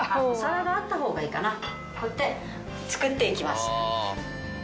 お皿があったほうがいいかなこうやって作っていきます。